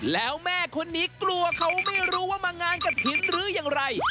แล้วแม่คนนี้กลัวเขาไม่รู้ว่ามางานกระถิ่นหรืออย่างไร